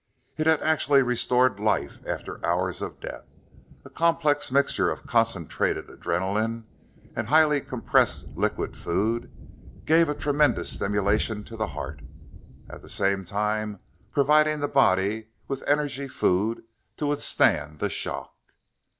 It had actually restored life after hours of death. A complex mixture of concentrated adrenaline and highly compressed liquid food, it gave a tremendous stimulation to the heart, at the same time providing the body with energy food to withstand the shock.